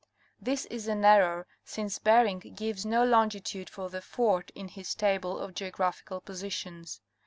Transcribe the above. This is an error since Bering gives no longitude for the fort in his table of geographical positions.